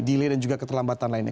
delay dan juga keterlambatan lainnya